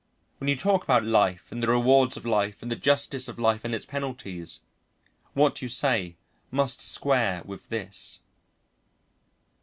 When you talk about life and the rewards of life and the justice of life and its penalties, what you say must square with this."